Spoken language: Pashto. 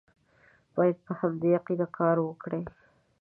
او باید په همدې عقیده کار وکړي.